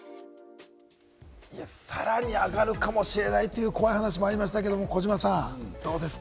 さらに上がるかもしれないという怖い話もありましたけれども児嶋さん、どうですか？